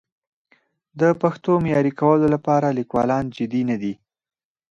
د پښتو د معیاري کولو لپاره لیکوالان جدي نه دي.